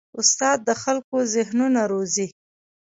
استاد د خلکو ذهنونه روزي.